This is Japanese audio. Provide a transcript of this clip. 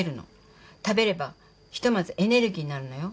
食べればひとまずエネルギーになるのよ。